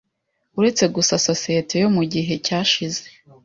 Uretse gusa sosiyete yo mu gihe cyashize